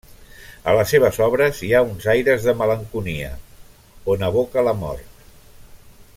A les seves obres hi ha uns aires de malenconia, on evoca la mort.